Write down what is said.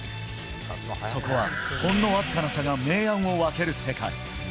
そこはほんの僅かな差が明暗を分ける世界。